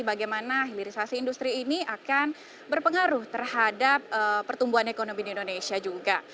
bagaimana hilirisasi industri ini akan berpengaruh terhadap pertumbuhan ekonomi di indonesia juga